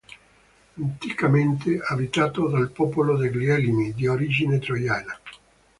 Anticamente abitato dal popolo degli Elimi di origine troiana.